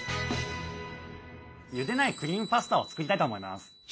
ゆでないクリームパスタを作りたいと思います。